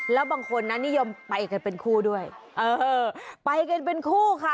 แล้วบางคนนะนิยมไปกันเป็นคู่ด้วยเออไปกันเป็นคู่ค่ะ